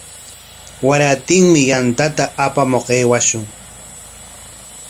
Warantinmi yantata apamuq aywashun.